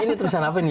ini terusan apa nih